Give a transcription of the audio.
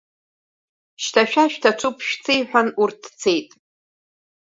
Шьҭа шәа шәҭацәуп шәца, иҳан, урҭ цеит.